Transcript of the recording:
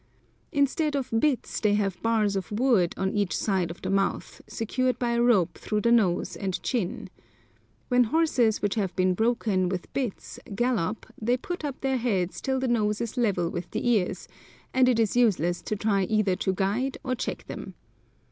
Instead of bits they have bars of wood on each side of the mouth, secured by a rope round the nose and chin. When horses which have been broken with bits gallop they put up their heads till the nose is level with the ears, and it is useless to try either to guide or check them.